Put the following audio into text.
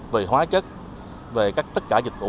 về hóa chất về tất cả dịch vụ